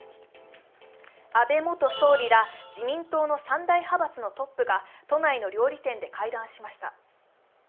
安倍元総理ら自民党の３代派閥のトップが都内の料理店で会談しました。